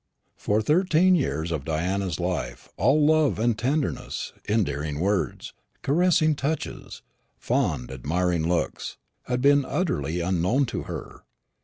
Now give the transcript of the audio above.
For thirteen years of Diana's life all love and tenderness, endearing words, caressing touches, fond admiring looks, had been utterly unknown to her.